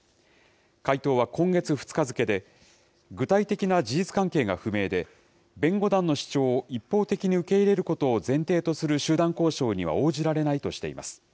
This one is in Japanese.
回答は今月２日付で、具体的な事実関係が不明で、弁護団の主張を一方的に受け入れることを前提とする集団交渉には応じられないとしています。